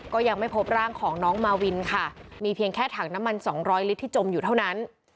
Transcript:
ก็ยังไม่พบร่างของน้องมาวินค่ะมีเพียงแค่ถังน้ำมัน๒๐๐ลิตรที่จมอยู่เท่านั้น